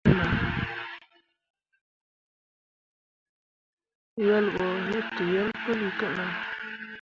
Wel ɓo yetǝyel puli te nah.